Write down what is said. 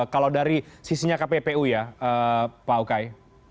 kalau dari sisinya kppu ya pak ukay